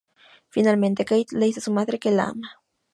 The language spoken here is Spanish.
Finalmente Kate le dice a su madre que la ama.